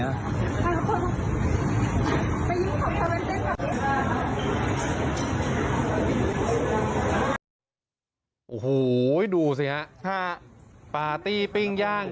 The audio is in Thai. โอ้โหดูสิฮะถ้าปาร์ตี้ปิ้งย่าง